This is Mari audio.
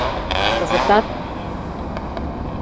— Кызытат!